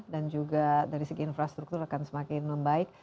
dan juga dari segi infrastruktur akan semakin membaik